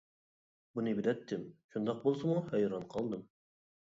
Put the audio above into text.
بۇنى بىلەتتىم، شۇنداق بولسىمۇ ھەيران قالدىم.